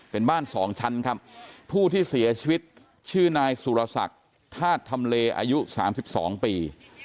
เป็นบ้านสองชั้นครับผู้ที่เสียชีวิตชื่อนายสุรศักดิ์ธาตุธรรมเลอายุ๓๒ปี